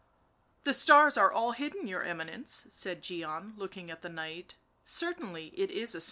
" The stars are all hidden, your Eminence / 7 said' Gian, looking at the night. " Certainly, it is a storm